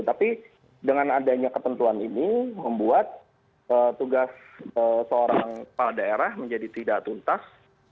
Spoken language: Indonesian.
tapi dengan adanya ketentuan ini membuat tugas seorang kepala daerah menjadi tidak tuntas